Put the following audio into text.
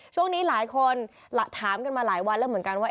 ช่วงนี้หลายคนถามกันมาหลายวันแล้วเหมือนกันว่า